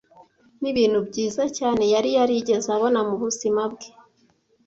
Nibintu byiza cyane yari yarigeze abona mubuzima bwe.